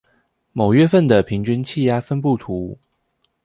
某月份的平均氣壓分佈圖